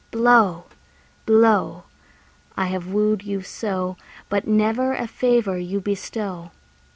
Blow, blow! I have wooed you so, But never a favour you bestow.